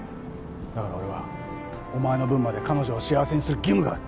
だから俺はお前の分まで彼女を幸せにする義務がある。